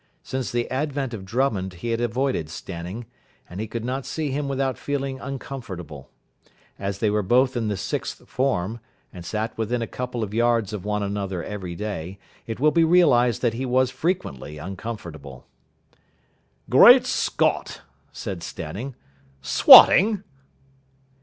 Since the advent of Drummond he had avoided Stanning, and he could not see him without feeling uncomfortable. As they were both in the sixth form, and sat within a couple of yards of one another every day, it will be realised that he was frequently uncomfortable. "Great Scott!" said Stanning, "swotting?"